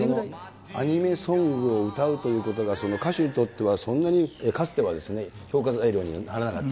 アニメソングを歌うということが、歌手にとってはそんなに、かつてはですね、評価材料にならなかった。